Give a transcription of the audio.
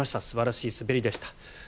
素晴らしい滑りでした。